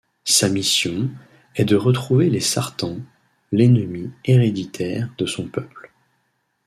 Sa mission est de retrouver les Sartans, l'ennemi héréditaire de son peuple.